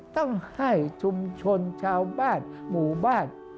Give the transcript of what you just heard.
ต้องให้ชุมชนชาวบ้านหมู่บ้าน